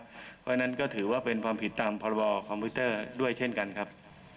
เพราะฉะนั้นก็ถือว่าเป็นความผิดตามพรบคอมพิวเตอร์ด้วยเช่นกันครับ